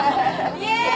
イエーイ！